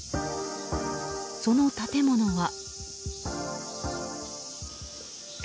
その建物は。